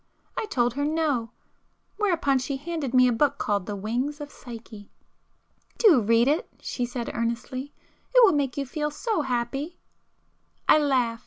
I told her no,—whereupon she handed me a book called 'The Wings of Psyche.' "Do read it!" she said earnestly—"It will make you feel so happy!" I laughed.